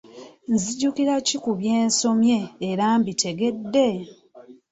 Nzijukira ki ku bye nsomye era mbitegedde?